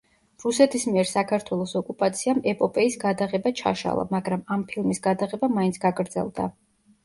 რუსეთის მიერ საქართველოს ოკუპაციამ ეპოპეის გადაღება ჩაშალა, მაგრამ ამ ფილმის გადაღება მაინც გაგრძელდა.